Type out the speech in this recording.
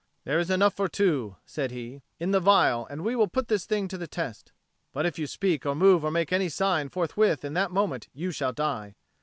"There is enough for two," said he, "in the phial; and we will put this thing to the test. But if you speak or move or make any sign, forthwith in that moment you shall die."